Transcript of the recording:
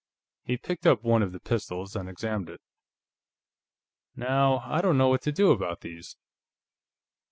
He picked up one of the pistols and examined it. "Now, I don't know what to do about these."